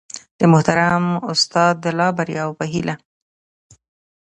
د محترم استاد د لا بریاوو په هیله